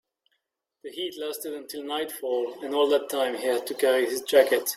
The heat lasted until nightfall, and all that time he had to carry his jacket.